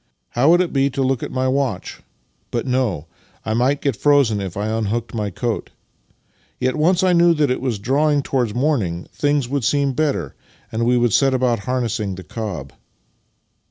" How would it be to look at my watch? But no; I might get frozen if I unhooked my coat. Yet, once I knew that it was drawing towards morning, things would seem better, and we would set about harnessing the cob."